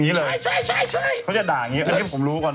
ใช่เขาจะด่าอย่างนี้งั้นผมรู้ก่อน